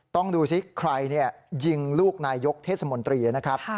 ต้องดูสิใครยิงลูกนายยกเทศมนตรีนะครับ